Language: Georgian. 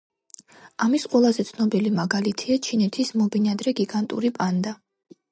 ამის ყველაზე ცნობილი მაგალითია ჩინეთის მობინადრე გიგანტური პანდა.